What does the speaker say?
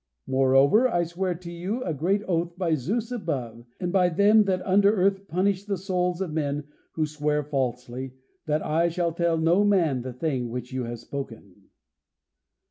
Moreover, I swear to you a great oath, by Zeus above, and by Them that under earth punish the souls of men who swear falsely, that I shall tell no man the thing which you have spoken."